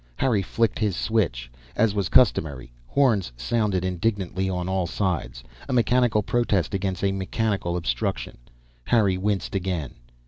Harry flicked his switch. As was customary, horns sounded indignantly on all sides a mechanical protest against a mechanical obstruction. Harry winced again.